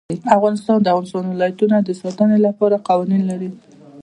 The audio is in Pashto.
افغانستان د د افغانستان ولايتونه د ساتنې لپاره قوانین لري.